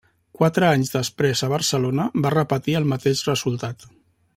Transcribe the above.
Quatre anys després a Barcelona va repetir el mateix resultat.